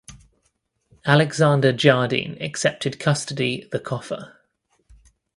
Alexander Jardine accepted custody the coffer.